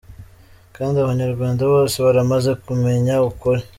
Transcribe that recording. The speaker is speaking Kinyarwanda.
Kandi abanyarwanda bose baramaze kumenya ukuri.